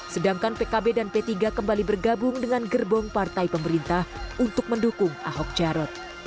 sedangkan pkb dan p tiga kembali bergabung dengan gerbong partai pemerintah untuk mendukung ahok jarot